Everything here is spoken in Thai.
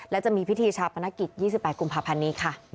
และจะมีพิธีชาปนกิจ๒๘กุมภาพันธ์นี้ค่ะ